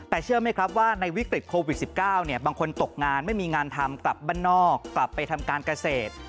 แต่เชื่อไหมครับว่าในวิกฤตโควิด๑๙บางคนตกงานไม่มีงานทำกลับบ้านนอกกลับไปทำการเกษตร